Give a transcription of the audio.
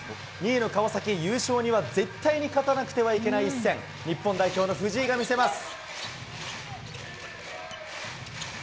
２位の川崎、優勝には絶対勝たなくてはいけない一戦。日本代表の藤井が見せます。